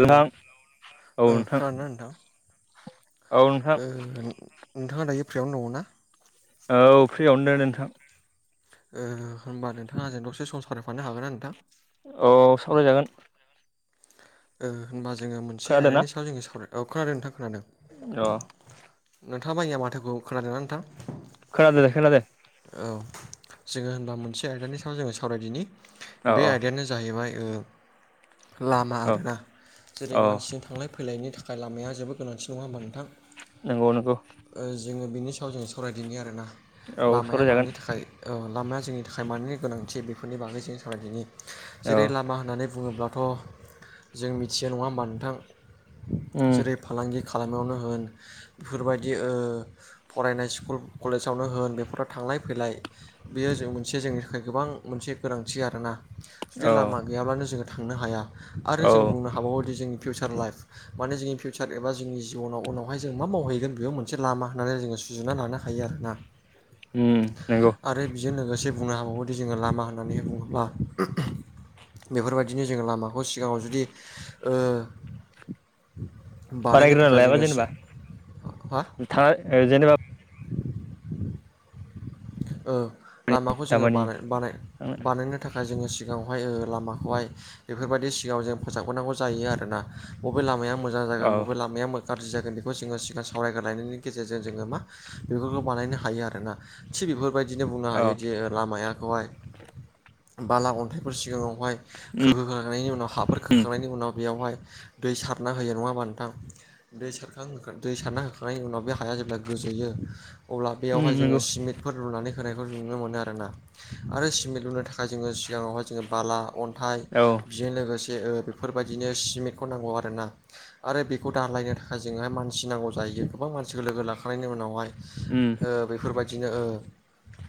Hello औ ओ नोंथां खोनादोंना नोंथां औ नोंथां ओ नोंथाङा दायो फ्रियावनो दङना औ फ्रियावनो दं नोंथां ओ होमबा नोंथाङा आंजों दसे सम सावरायफानो हागोनना नोंथां औ सावरायजागोन ओ होनबा जोङो मोनसे खोनादों ना आयदानि सायाव जोङो सावराय औ खोनादों नोंथां खोनादों अ नोंथाङा आबो आंनि माथोखौ खोनादोंना नोंथां खोनादों दे खोनादो औ जोङो होनबा मोनसे आयदानि सायाव जोङो सावरायदिनि औ बे आयदायानो जाहैबाय लामा औ आरोना जेरै औ मानसिजों थांलाय फैलायनि थाखाय थाखाय लामाया जेबो गोनांथि नङा होमबा नोंथां नोंगौ नोंगौ ओ जोङो बिनि सायाव जोङो सावरायदिनि आरोना औ लामाया सावरायजागोन मानि थाखाय लामाया जोंनि थाखाय मानि गोनांथि बेफोरनि बागै जों सावरायदिनि औ जेरै लामा होननानै बुङोब्लाथ' जों मिथियो नङा होमबा नोंथां उम जेरै फालांगि खालामनायावनो होन बेफोरबायदि ओ फरायनाय स्कुल कलेजावनो होन बे फोराव थांलाय फैलाय बेयो जों मोनसे जोंनि थाखाय गोबां मोनसे गोनांथि आरोना जुदि औ लामा गैयाब्लानो जोङो थांनो हाया आरो औ जों बुंनो हाबावोदि जोंनि फिउसार लाइफ माने जोंनि फिउसार एबा जोंनि जिबनाव उनावहाय जों मा मावहैगोन बेयाव मोनसे लामा होननानै जोङो सुजुना लानो हा हायो आरोना उम नंगौ आरो बेजों लोगोसे बुंनो हाबावोदि जोङो लामा होननानै बुङोब्ला बेफोरबायदिनो जोङो लामाखौ सिगाङाव जुदि ओ बानायनो बानायग्रोना थाखाय जोङो हा थार जेनेबा औ लामाखौ जोङो दामानि बानाय बानाय बानायनो थाखाय जोङो सिगाङावहाय लामाखौहाय बेफोरबायदि सिगाङाव जोङो फोसाबग्रोनांगौ जायो आरोना बबे लामाया मोजां औ जागोन बबे लामाया गाज्रि जागोन बेखौ जोङो सिगां सावरायग्रोना लायनायनि गेजेरजों जोङो मा बेफोरखौ बानायनो हायो आरोना थिग बेफोरबायदिनो बुंनो औ हायोदि लामाखौहाय बाला अन्थाइफोर सिगाङाव बेवहाय खोहोखांनायनि उनाव हाफोर उम खोखांनायनि उनाव बेयावहाय दै सारना होयो नङा ओमबा नोंथां दै सारखां होखां दै सारना होखांनायनि उनाव बे हाया जेब्ला गोजोयो अब्ला उम बेयावहाय जोङो नंगौ सिमिट फोर लुनानै होनायखौ नुनो मोनो आरोना आरो सिमेन्ट लुनो थाखाय जोङो सिगाङावहाय जोङो बाला अन्थाइ औ बेजों लोगोसे बेफोरबायदिनो सिमेन्टखौ नांगौ आरोना आरो बेखौ दालायनो थाखाय जोंहा मानसि नांगौ जाहै गोबां मानसिखौ लोगो लाखांनायनि उनावहाय उम ओ बेफोरबायदिनो ओ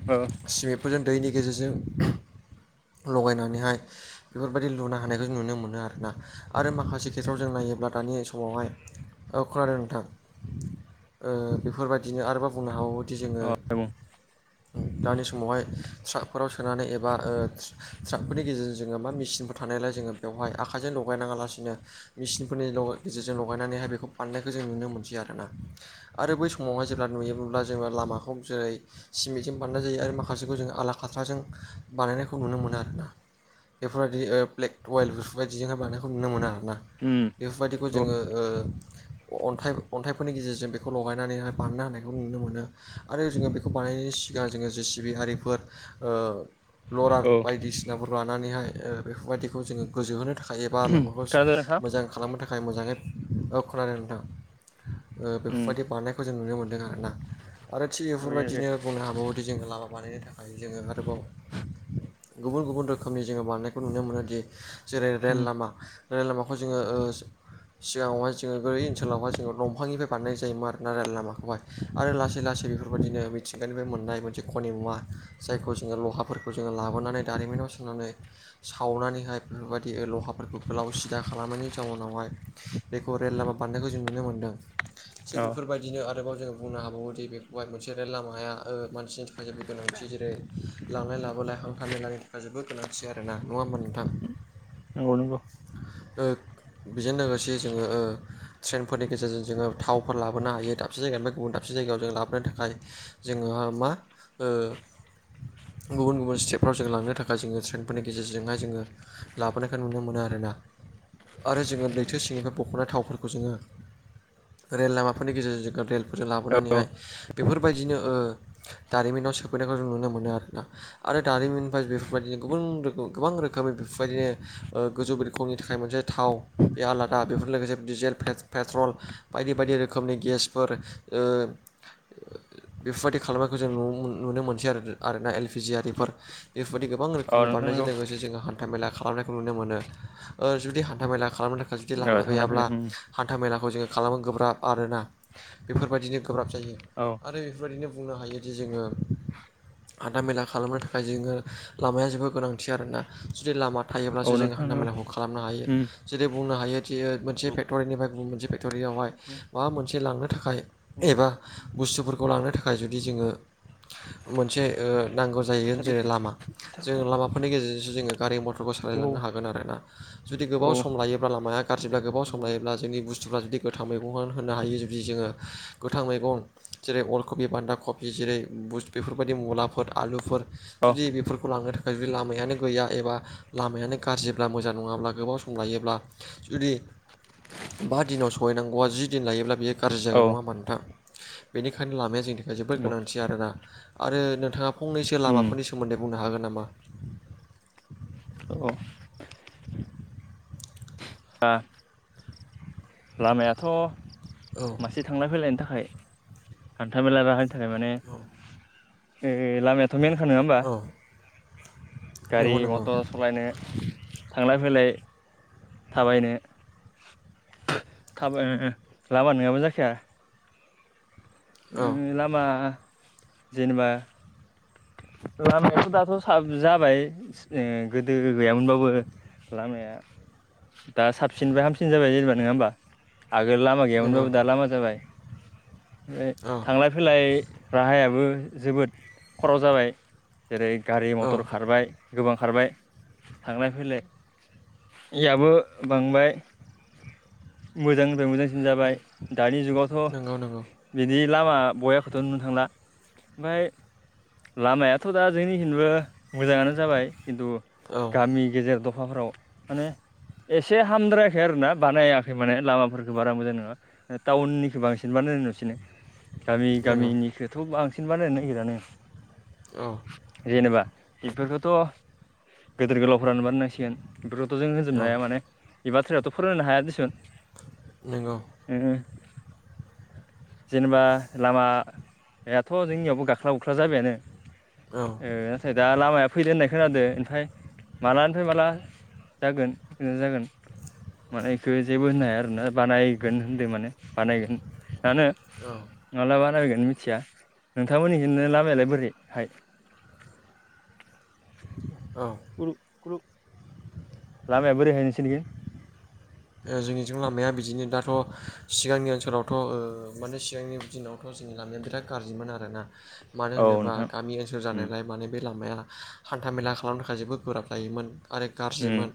ओ सिमेन्टफोरजों दैनि गेजेरजों लगायनानैहाय बेफोरबायदि लुना होनायखौ जों नुनो मोनो आरोना आरो माखासे खेथ्रआव जों नायोब्ला दानि समावहाय औ खोनादों नोंथां ओ बेफोरबायदिनो आरोबाव बुंनो हाबावोदि जोङो औ बुं दानि समावहाय ट्राकफोराव सोनानै एबा ओ ट्राकफोरनि गेजेरजों जोङो मा मेचिनफोर थानायलाय जोङो बेवहाय आखाइजों लगायनाङा लासिनो मेचिनफोरनि ल गेजेरजों लगायनानैहाय बेखौ बाननायखौ जों नुनो मोनसै आरोना। आरो बै समावहाय जेब्ला नुयोब्ला जोङो लामाखौ जेरै सिमेन्टजों बानायनाय जायो आरो माखासेखौ जों आला खाथ्राजों बानायनायखौ नुनो मोनो आरोना। बेफोरबायदि ब्लेक अइेल बेफोरबायदिजोंहाय बानायखौ नुनो मोनो आरोना। उम बेफोरबायदिखौ औ जोङो ओ अन्थाइ अन्थाइफोरनि गेजेरजों बेखौ लगायनानैहाय बारनो हानायखौ नुनो मोनो आरो जोङो बे बानायनायनि सिगां जोङो जेसिबि हारिफोर ओ लरार औ बायदिसि नाफोर लानानैहाय ओ बेफोरबायदिखौ जोङो गोजोहोनो थाखाय एबा लामाखौ खोनादों नोंथां मोजां खालामनो थाखाय मोजाङै औ खोनादों नोंथां ओ उम बेफोरबायदि बानाय नायखौ जों नुनो मोनदों आरोना आरो थिग नुयो बेफोरबायदि नुयो ओ बुंनो हाबावोदि जोङो लामा बानायनो थाखाय जोङो आरोबाव गुबुन गुबुन रोखोमनि जोङो बांनायखौ नुनो मोनोदि जेरै रेल उम लामा रेल लामाखौ जोङो ओ सिगाङावहाय जोङो [unintelligible] ओनसोलावहा जोङो दंफांनिफ्राय बानायनाय जायोमोन आरोना राय लामाखौहाय आरो लासै लासै बेफोरबायदिनो मिथिंगानिफ्राय मोननाय मोनसे खनि मुवा जायखौ जोङो लहाफोरखौ जोङो लाबोनानै दारिमिनाव सोनानै सावनानैहाय बेफोरबायदि लहाफोरखौ गोलाव सिदा खालामनायनि जाउनावहाय बेखौ रेल लामा बानायनायखौ जों नुनो मोनदों। थिग औ बेफोरबायदिनो आरोबाव जोङो बुंनो हाबावोदि बेखौहाय मोनसे लामाया ओ मानसिनि थाखाय जेबो गोनांथि जेरै लांलाय लाबोलाय हान्था मेलानि थाखाय जोबोद गोनांथि आरोना नङा ओमबा नोंथां? नंगौ नंगौ ओ बेजों लोगोसे जोङो ओ ट्रेनफोरनि गेजेरजों जोङो थावफोर लाबोनो हायो दा दाबसे जायगानिफ्राय गुबुन दाबसे जायगायाव जोङो लाबोनो थाखाय जोङोहाय मा ओ गुबुन गुबुन स्टेपफ्राव जों लांनो थाखाय जोङो ट्रेनफोरनि गेजेरजोंहाय जोङो लाबोनायखौ नुनो मोनो आरोना। आरो जोङो लैथो सिंनिफ्राय बख'नाय थावफोरखौ जोङो रेल लामाफोरनि गेजेरजों रेलफोरजों औ लाबोनानैहाय बेफोरबायदिनो ओ दारिमिनाव सोफैनायखौ जों नुनो मोनो आरोना। आरो दारिमिनफाय बेफोरबायदिनो गुबुन रोखोम गोबां रोखोमनि बेफोरबायदिनो गोजौ रोखोमनि थाखाय मोनसे थाव बे आलादा बेफोर लोगोसे डिजेल पेट्रल बायदि बायदि रोखोमनि गेसफोर ओ बेफोरबायदि खालामनायखौ जों नुनो मोनसै आरो आरोना एलपिजि आरिफोर। बेफोरबायदि गोबां औ रोखोमनि नोंथां नंगौ बारनायजों लोगोसे जोङो हा न्था मेला खालामनायखौ नुनो मोनो ओ जुदि हान्था मेला खालामनो थाखाय जुदि लामा ओ थांलाय गैयाब्ला फैलाय उम हान्था मेलाखौ जोङो खालामो गोब्राब आरोना बेफोरबायदिनो गोब्राब जायो औ आरो ओरैनो बुंनो हायोदि जोङो हानथा मेला खालामनो थाखाय जोङो लामाया जोबोद गोनांथि आरोना जुदि लामा थायोब्लासो औ जोङो नोंथां हान्था औ मेलाखौ खालामनो हायो उम जेरै बुंनो हायो ओ मोनसे फेक्ट'रिनिफ्राय गुबुन मोनसे फेक्ट'रियावहाय माबा मोनसे लांनो थाखाय एबा बुस्थुफोर खौ लांनो थाखाय जुदि जोङो मोनसे ओ नांगौ जायो जेरै बुथारनायखौ लामा बुथार जोंङो बुथार लामाफोरनि गेजेरजोंसो जोङो गारि म [unintelligible] टर दंबावो सालायलांनो हागोन आरोना जुदि गोबाव औ सम लायोब्ला लामाया गाज्रिब्ला गोबाव सम दंबावो लायोब्ला जोंनि बुस्थुफ्रा जुदि गोथां मैगंखौ होनो हायो जुदि जोङो गोथां मैगं जेरै अलकबि बान्दा कबि जेरै बुस बेफोरबायदि मुलाफोर आलुफोर औ जुदि बेफोर खौ लांनो थाखाय जुदि लामायानो गैया एबा लामायानो गाज्रिब्ला मोजां नङाब्ला गोबाव सम लायोब्ला जुदि बा दिनाव सहैनांगौआ जि दिन लायोब्ला बेयो गाज्रि जागोन औ नङा होमबा नोंथां? बेनिखायनो लामाया जोंनि थाखाय जोबोर नंगौ गोनांथि आरोना आरो नोंथाङा फंनैसो उम लामाफोरनि सो सोमोन्दै बुंनो हागोन नामा? औ दा लामायाथ' औ एसे थांलाय फैलायनि थाखाय हान्था मेला राहानि थाखाय माने ए लामायाथ' मेनखा नङा होमबा औ गारि नंगौ नंगौ मटर सालायनो थांलाय फैलाय थाबायनो थाबाय लाबा नङाबा जाखाया औ लामा जेनेबा लामायाथ' दाथ' साब जाबाय गोदो गैयामोनबाबो लामाया दा साबसिनफ्राय हामसिन जाबाय जेनेबा नङा होमबा आगोल लामा नंगौ गैयामोनबाबो दा लामा जाबाय ओफ्राय औ थांलाय फैलाय राहायाबो जोबोद खर' जाबाय जेरै गारि औ मथर खारबाय गोबां खारबाय थांलाय फैलाय याबो बांबाय मोजांनिफ्राय मोजां दिन जाबाय दानि औ जुगावथ' नंगौ बिदि लामा बयाखौथ' नुनो थांला ओमफ्राय लामायाथ' दा जोंनि हिनबो मोजाङानो जाबाय खिन्थु औ गामि गेजेर दखान अखाफ्राव माने एसे हामद्रायाखै आरोना बानायाखै माने लामाफोरखौ बारा मोजां नङा टाउननिखौ बांसिन बानायनाय नुसिनो गामि नंगौ गामिनिखौथ' बांसिन बानायनो नागिरानो औ जेनेबा बेफोरखौथ' गेदेर गोलावफोरानो बानायनांसिगोन बेफोरखौथ' जों होनजोबनो औ हाया माने बे बाथ्रायावथ' फोरोंनो हाया दिसुन नंगौ उम जेनेबा लामायाथ' जोंनियावबो गाख्ला गुख्ला जाबायानो औ नाथाय दा लामाया फैदो होननाय खोनादों ओमफ्राय मालानिफ्राय माला जागोन नोंथां जागोन माने बेखौ जेबो होननो हाया आरोना बानायगोन होनदों माने बानायगोन दानो औ माला बानायगोन मिथिया नोंथांमोननिजोंनो लामायालाय बोरैहाय औ [unintelligible] लामाया बोरैहाय नोंसोरनिखै जोंनिथि लामाया बिदिनो दाथ' सिगांनि ओनसोलावथ' माने सिगांनि दिनाव बे जोंनि लामाया बिराद गाज्रिमोन आरोना मानो औ होनोबा गामि ओनसोल जानायलाय नोंथां माने बे लामाया हान्थामेला खालामनो थाखाय जोबोद गोब्राब जायोमोन आरो गाज्रिमोन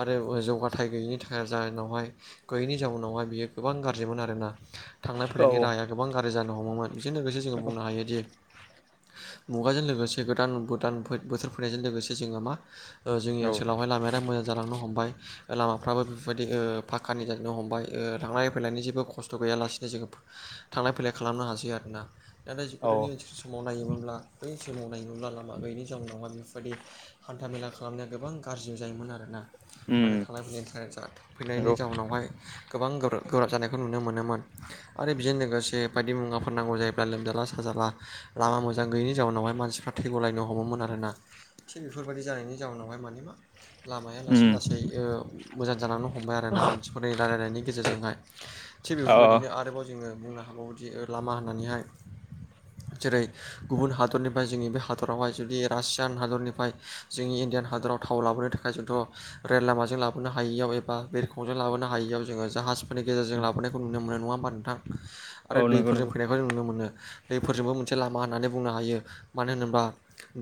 आरो जौगाथाय गैयिनि थाखाय जाहोनावहाय गैयैनि जाउनावहाय बियो गोबां गाज्रिमोन आरोना थांनाय फैलायनि औ राहाया गोबां गारजि जानो हमोमोन बेजों लोगोसे जोङो औ बुंनो हायोदि मुगाजों लोगोसे गोदान गोदान बोथोर फैनायजों लोगोसे जों मा ओ जोंनि औ ओनसोलावहाय लामाया मोजां जालांनो हमबाय लामाफ्राबो बेफोरबायदि ओ पाखानि जनो हमबाय थांलाय फैलायनि जेबो खस्थ' गैयालासिनो जोङो थांलाय फैलाय खालामनो हासै आरोना नाथाय औ गोदोनि ओनसोलाव समाव नायोमोनब्ला बै समाव नायोमोनब्ला लामा गैयिनि जउनाव मा बेफोरबायदि हान्था मेला खालामनाया गोबां गाज्रि जायोमोन आरोना मानोे उम थांलाय फैनायनि नंगौ जाउन जाउनावहाय गोबां गोब्राब जानायखौ नुनो मोनोमोन। आरो बेजों लोगोसे बायदि मुवाफोर नांगौ जायोब्ला लोमजाला साजाला लामा मोजां गैयिनि जाउनावहाय मानसिफ्रा थैगलायनो हमोमोन आरोना थिग बेफोरबायदि जानायनि जाउनावहाय माने मा लामाया लासै उम लासै ओ मोजां जानानै दं हमबाय आरोना मानसिफोरनि रायलायनायनि गेजेरजोंहाय थिग अ बेफोरबायदिनो आरोबाव जोङो बुंनो हाबावोदि लामा होननानैहाय जेरै गुबुन हादरनिफ्राय जोंनि बे हादरावहाय जुदि रासियान हादरनिफ्राय जोंनि इण्डियान हादराव थाव लाबोनो थाखाय जोंथ' रेल लामाजों लाबोनो हायियाव एबा बा बिरखंजों लाबोनो हायियाव जोङो जाहाजफोरनि गेजेरजों लाबोनायखौ नुनो मोनो नङा होमबा नोंथां आरो औ नंगौ दैफोरजों नंगौ फैनाय बे नुनो मोनो दैफोरजोंबो मोनसे लामा होननानै बुंनो हायो मानो होनोब्ला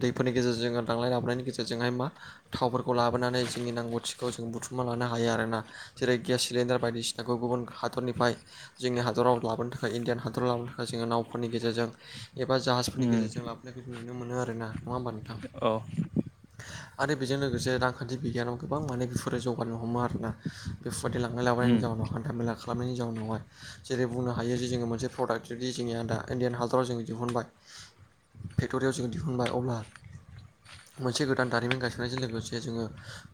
दैफोरनि गेजेरजों लांलाय लाबोलायनि गेजेरजोंहाय मा थावफोरखौ लाबोनानै जोंनि नांगौथिखौ जों बुथुमना लानो हायो आरोना जेरै गेस सिलिडार बायदिसिना खौ गुबुन हादरनिफ्राय जोंनि हादराव लाबोनो थाखाय इण्डियान हादराव लाबोनो थाखाय जोङो नावफोरनि गेजेरजों एबा जाहाजफोरनि उम गेजेरजों लाबोनायखौ नुनो मोनो आरोना नङा होमबा नोंथां औ आरो बेजों लोगोसे रांखान्थि बिगियानाव गोबां माने बेफोरो जौगानो हमो आरोना बेफोरबायदि लांलाय उम लाबोलायनि जाउनाव हान्था मेला खालामनायनि जाउनावहाय जेरै बुंनो हायो जे जोङो मोनसे प्रडाक्ट जुदि जोंनि आ दा इण्डियान हादराव जों दिहुनबाय फेक्ट'रियाव जोङो दिहुनबाय अब्ला मोनसे गोदान दारिमिन गायसननायजों लोगोसे जोङो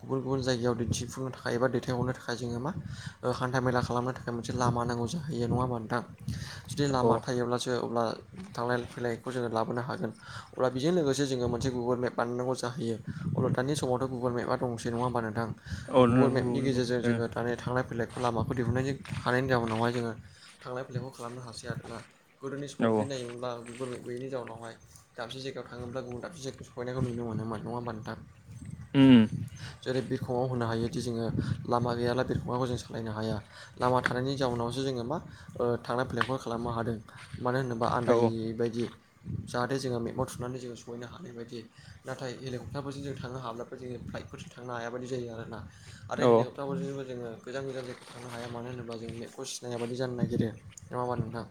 गुबुन गुबुन जायगायाव दिन्थिफुंनो एबा दैथायहरनो थाखाय जोङो मा हान्था मेला खालामनो थाखाय मोनसे लामा नांगौ जाहैयो नङा होमबा नोंथां? जुदि लामा औ थायोब्लासो अब्ला थांलाय फैलायखौ जोङो लाबोनो हागोन अब्ला बेजों लोगोसे जोङो मोनसे गुगोल मेप बानायनांगौ जाहैयो अलथानि समावथ' गुगोल मेपा दंसै नङा होमबा नोंथां औ गुगोल नंगौ मेपनि नंगौ गेजेरजों जोङो माने थांलाय फैलाय लामाखौ दिहुननो हानायनि जाउनावहाय जोङो थांलाय फैलायखौ खालामनो हासै ना गोदोनि समाव औ जुदि नायोमोनब्ला गुगोलनि गैयिनि जाउनावहाय दाबसे जायगायाव थाङोब्ला गुबुन दाबसे जायगायाव सहैनायखौ नुनो मोनोमोन नङा होमबा नोंथां? उम जेरै बिरखंआव होनो हायोदि जोङो लामा गैयाब्ला बिरखंङाखौ जों सा सालायनो हाया लामा थानायनि जाउनावसो जोङो मा थांनाय फैलायखौ खालामनो हादों। मानो होनोबा औ आन्दायै बायदि जाहाथे जोङो मेपनाव थुनानै जोङो सहैनो हानाय बायदि नाथाय हेलिकप्टारफोरजों जों थांनो हाब्लाफोर जोङो फ्लाइटफोरजों थांनो हायाबायदि जायो आरोना आरो औ हेलिकप्टारफोरजोंबो जोङो गोजान गोजान जायगायाव थांनो हाया मानो होनोबा जों मेपखौ सिनायाबादि जानो नागिरो नङा होनबा नोंथां?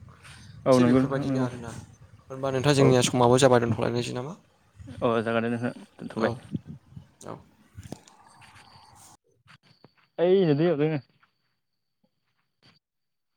औ थिग नंगौ नोंथां बेफोरबायदिनो नंगौ आरोना होनबा नोंथा जोंनिया समाबो जाबाय दोनथ'लायनोसै नामा? अ जागोन दे नोंथां औ दोनथ'बाय औ ओइ दैयाव दोङो